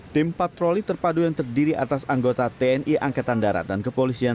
tim patroli terpadu yang terdiri atas anggota tni angkatan darat dan kepolisian